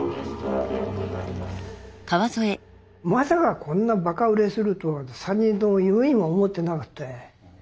まさかこんなバカ売れするとは３人とも夢にも思ってなくて。